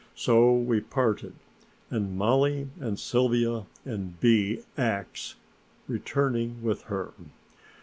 So we parted, and Mollie and Sylvia and Bee axe returning with her.